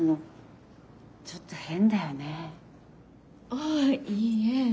あぁいいえ。